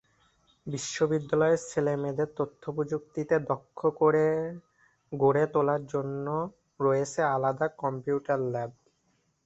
বিদ্যালয়ের ছেলে-মেয়েদের তথ্য প্রযুক্তিতে দক্ষ করে গড়ে তোলার জন্য রয়েছে আলাদা কম্পিউটার ল্যাব।